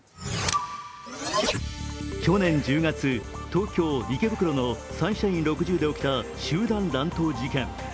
去年１０月、東京・池袋のサンシャイン６０で起きた集団乱闘事件。